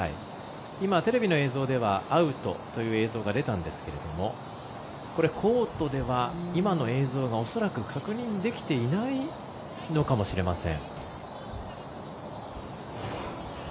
テレビの映像ではアウトという映像が出たんですがコートでは今の映像が恐らく確認できていないのかもしれません。